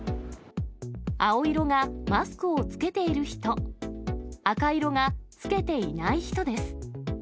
青色がマスクを着けている人、赤色が着けていない人です。